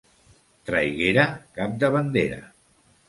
Traiguera, cap de bandera.